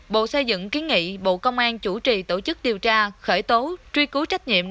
bộ xây dựng kiến nghị bộ công an chủ trì tổ chức điều tra khởi tố truy cứu trách nhiệm